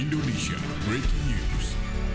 di breaking news